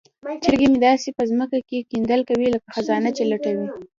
چرګې مې داسې په ځمکه کې کیندل کوي لکه خزانه چې لټوي.